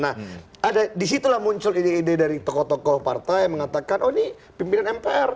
nah disitulah muncul ide ide dari tokoh tokoh partai yang mengatakan oh ini pimpinan mpr